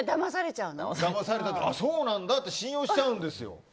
そうなんだって信用しちゃうんですよ。